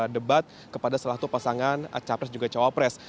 debat kepada salah satu pasangan capres juga cawapres